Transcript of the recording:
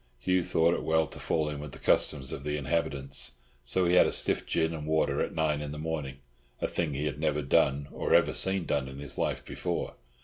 Hugh thought it well to fall in with the customs of the inhabitants, so he had a stiff gin and water at nine in the morning, a thing he had never done, or even seen done, in his life before.